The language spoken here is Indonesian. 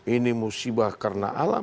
ini musibah karena alam